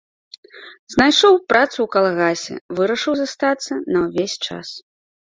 Знайшоў працу ў калгасе, вырашыў застацца на ўвесь час.